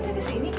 ada di sini